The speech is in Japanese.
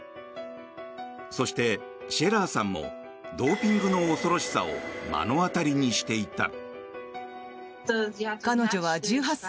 そして、シェラーさんもドーピングの恐ろしさを目の当たりにしていた。